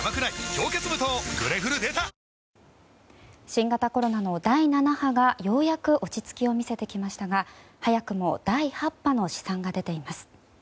新型コロナの第７波がようやく落ち着きを見せてきましたが早くも第８波の試算が出ています。